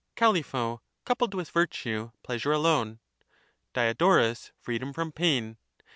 Callipho coupled with virtue pleasure alone; Diodorus freedom from pain....